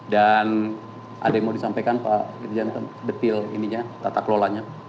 dan ada yang mau disampaikan pak irjen detail ini ya tata kelolanya